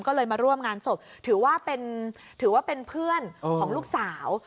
ก็เลยมาร่วมงานศพถือว่าเป็นเพื่อนของลูกสาว